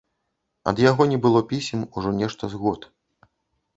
Ад яго не было пісем ужо нешта з год.